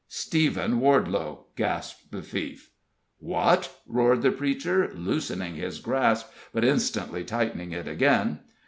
"Stephen Wardelow," gasped the thief. "What!" roared the preacher, loosening his grasp, but instantly tightening it again.